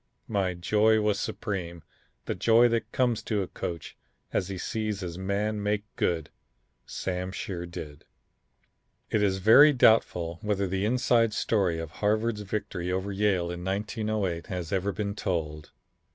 My joy was supreme; the joy that comes to a coach as he sees his man make good Sam sure did." It is very doubtful whether the inside story of Harvard's victory over Yale in 1908 has ever been told.